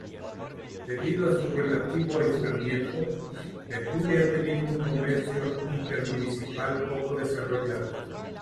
Debido a su relativo aislamiento, Betulia ha tenido un comercio intermunicipal poco desarrollado.